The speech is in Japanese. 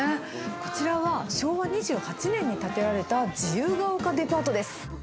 こちらは昭和２８年に建てられた自由が丘デパートです。